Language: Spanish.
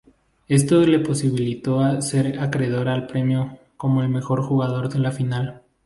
Esto le posibilitó ser acreedor al premio como el mejor jugador de la final.